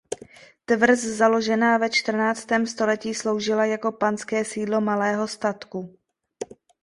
Tvrz založená ve čtrnáctém století sloužila jako panské sídlo malého statku.